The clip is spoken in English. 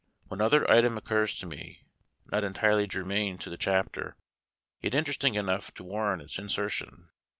One other item occurs to me, not entirely germane to the chapter, yet interesting enough to warrant its insertion.